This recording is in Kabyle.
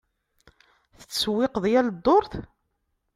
Tettsewwiqeḍ yal ddurt?